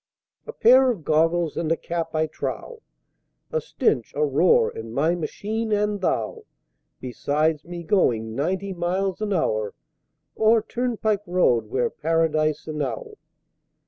A pair of Goggles and a Cap, I trow, A Stench, a Roar, and my Machine and Thou Beside me, going ninety miles an hour Oh, Turnpike road were Paradise enow!